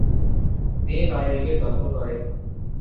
তিনি নয় উইকেট দখল করেন।